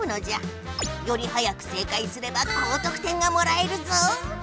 より早く正解すれば高得点がもらえるぞ。